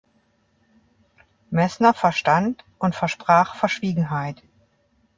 Messner verstand und versprach Verschwiegenheit.